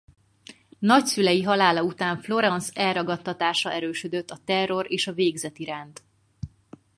Nagyszülei halála után Florence elragadtatása erősödött a terror és végzet iránt.